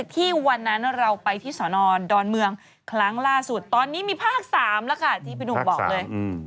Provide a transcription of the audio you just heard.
ครั้งล่าสุดตอนนี้มีภาค๓แล้วค่ะที่ไปหนูบอกเลย